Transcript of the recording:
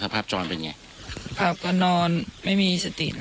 สภาพจรเป็นไง